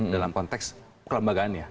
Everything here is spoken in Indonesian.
dalam konteks kelambagaannya